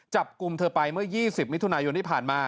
จับกลุ่มเธอไปเมื่อ๒๐มิถุนายนที่ผ่านมา